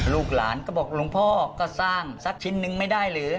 ลูกหลานก็บอกหลวงพ่อก็สร้างสักชิ้นนึงไม่ได้หรือ